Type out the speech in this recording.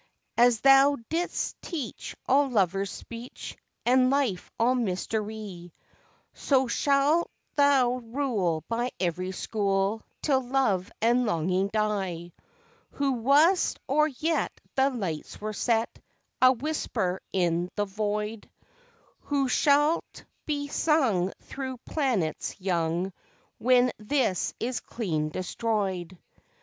As Thou didst teach all lovers speech, And Life all mystery, So shalt Thou rule by every school Till love and longing die, Who wast or yet the lights were set, A whisper in the Void, Who shalt be sung through planets young When this is clean destroyed.